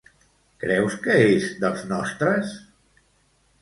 Creus que és dels nostres?